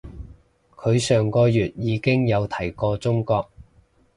佢上個月已經有提過中國